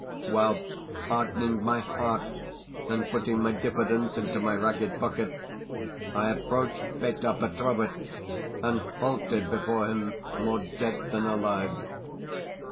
Well, hardening my heart, and putting my diffidence into my ragged pocket, I approached Peter Petrovitch, and halted before him more dead than alive.